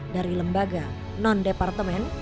dari lembaga non departemen